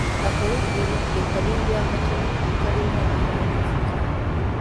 Akawugiro ke kabimbi akatono akalimwa abanafu.